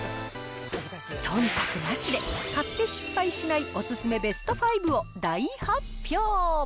そんたくなしで買って失敗しないお勧めベスト５を大発表。